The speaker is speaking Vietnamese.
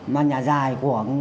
mà nhà dài